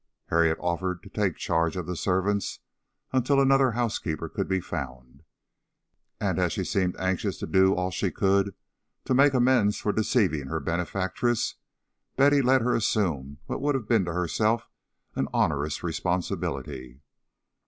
Harriet offered to take charge of the servants until another housekeeper could be found; and as she seemed anxious to do all she could to make amends for deceiving her benefactress, Betty let her assume what would have been to herself an onerous responsibility.